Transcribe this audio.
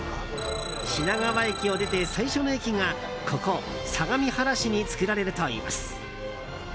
品川駅を出て最初の駅がここ、相模原市に作られるといいます。